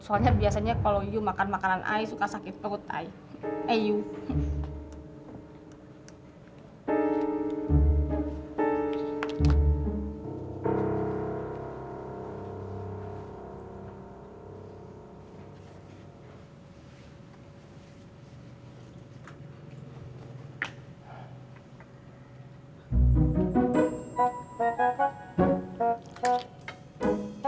soalnya biasanya kalau you makan makanan ayo suka sakit perut ayo